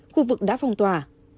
khu vực đã phong tỏa